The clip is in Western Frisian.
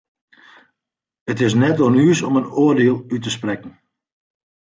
It is net oan ús om in oardiel út te sprekken.